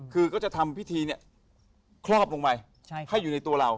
คือก็จะทำพิธีเนี่ยครอบลงไปให้อยู่ในตัวเรา